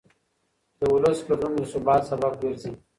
د ولس ګډون د ثبات سبب ګرځي